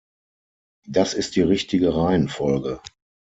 Das ist die richtige Reihenfolge.